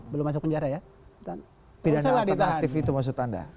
belum masuk penjara itu tidak perlu ditahan